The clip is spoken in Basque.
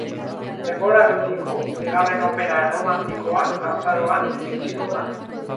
Denboraldiko bigarren opera erromantikoa azaroan iritsiko da.